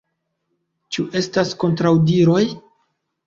Ĉu estas kontraŭdiroj?